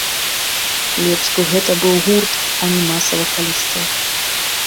Лепш бы гэта быў гурт, а не маса вакалістаў.